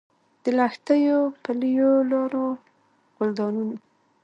د لښتیو، پلیو لارو، ګلدانونو